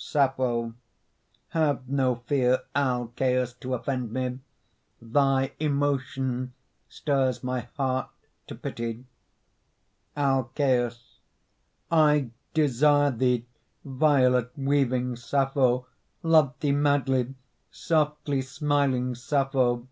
SAPPHO Have no fear, Alcæus, to offend me! Thy emotion stirs my heart to pity. ALCÆUS I desire thee, violet weaving Sappho! Love thee madly, softly smiling Sappho!